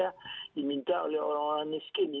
ya diminta oleh orang orang miskin